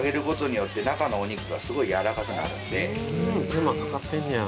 手間かかってんねや。